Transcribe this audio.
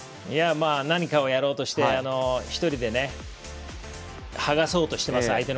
何かをやろうとして１人で、剥がそうとしてます相手。